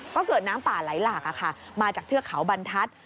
ก็เกิดน้ำป่าไหลหลากมาจากเทือกเขาบรรทัศน์